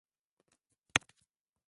Kunywa maji safi baada ya kula